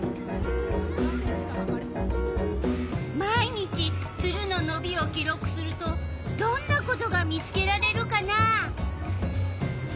毎日ツルののびを記録するとどんなことが見つけられるかな。